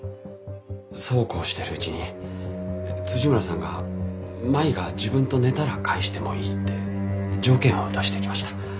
そうこうしているうちに村さんが舞が自分と寝たら返してもいいって条件を出してきました。